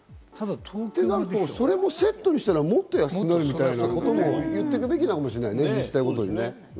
ってなると、それもセットにしたら、もっと安くなるみたいなことも言っていくべきかもしれないね、自治体ごとに。